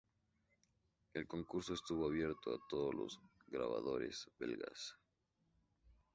El concurso estuvo abierto a todos los grabadores belgas.